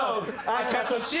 赤と白！